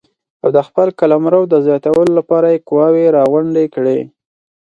او د خپل قلمرو د زیاتولو لپاره یې قواوې راغونډې کړې.